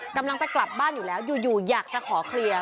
กำลังจะกลับบ้านอยู่แล้วอยู่อยากจะขอเคลียร์